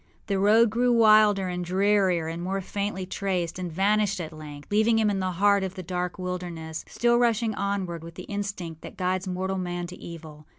The road grew wilder and drearier and more faintly traced, and vanished at length, leaving him in the heart of the dark wilderness, still rushing onward with the instinct that guides mortal man to evil.